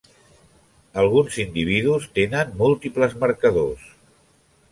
Alguns individus tenen múltiples marcadors.